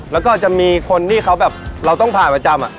แล้วก็จะมีคนที่เขาแบบเราต้องผ่านประจำ